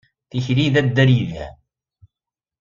Tikli d addal yelhan.